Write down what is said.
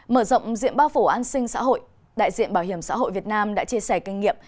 mở rộng diện bao phủ an sinh xã hội đại diện bảo hiểm xã hội việt nam đã chia sẻ kinh nghiệm